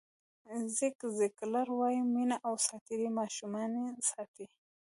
زیګ زیګلر وایي مینه او ساعتېرۍ ماشومان ساتي.